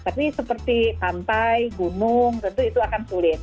tapi seperti pantai gunung tentu itu akan sulit